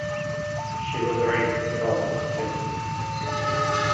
She was raised in Rome, Italy.